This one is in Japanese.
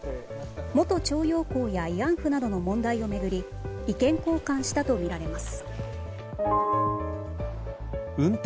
元徴用工や慰安婦などの問題を巡り意見交換したとみられています。